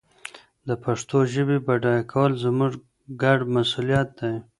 د پښتو ژبي بډایه کول زموږ ګډ مسؤلیت دی.